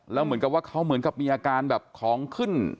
แล้วเหมือนกับว่าเขาเหมือนกับมีอาการแบบของขึ้น